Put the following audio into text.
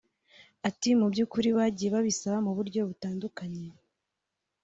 Ati “ Mu by’ukuri bagiye babisaba mu buryo butandukanye